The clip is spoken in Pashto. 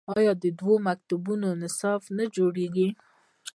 آیا دوی مکتبونه او نصاب نه جوړوي؟